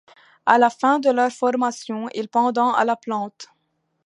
À la fin de leur formation, ils pendent à la plante.